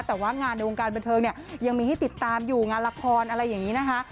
แต่ว่างานในวงการบันเทิงเนี่ยยังมีให้ติดตามอยู่งานละครอะไรอย่างนี้นะคะ